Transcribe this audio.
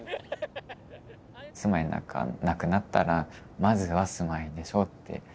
住まいなんかなくなったらまずは住まいでしょうって。